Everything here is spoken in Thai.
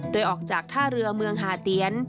โดยออกจากท่าเรือเมืองหาเตียน